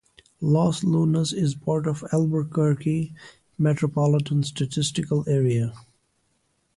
Los Lunas is part of the Albuquerque Metropolitan Statistical Area.